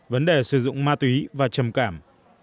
vấn đề sử dụng ma túy và trầm cảm